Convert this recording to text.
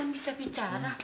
tuan bisa bicara